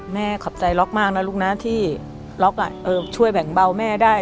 ขอบใจล็อกมากนะลูกนะที่ล็อกช่วยแบ่งเบาแม่ได้